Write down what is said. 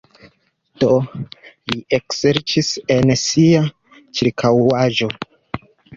Do li ekserĉis en sia ĉirkaŭaĵo.